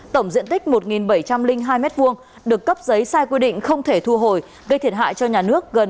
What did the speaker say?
tổng diện tích một bảy trăm linh hai m hai được cấp giấy sai quy định không thể thu hồi gây thiệt hại cho nhà nước gần một một tỷ đồng